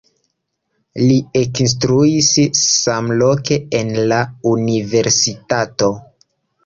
Li ekinstruis samloke en la universitato.